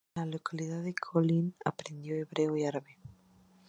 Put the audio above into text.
En la localidad de Kolín, aprendió hebreo y árabe.